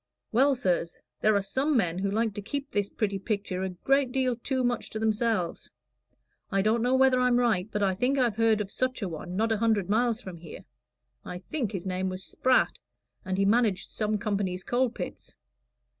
"Well, sirs, there are some men who like to keep this pretty picture a great deal too much to themselves. I don't know whether I'm right, but I think I've heard of such a one not a hundred miles from here. I think his name was Spratt, and he managed some company's coal pits."